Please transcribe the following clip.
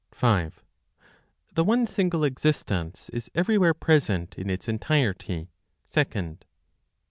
The One Single Existence is everywhere Present in its Entirety, Second, 23.